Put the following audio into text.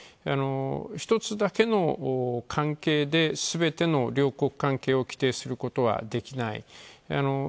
一つだけの関係ですべての両国関係を規定することはできない。